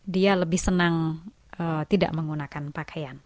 dia lebih senang tidak menggunakan pakaian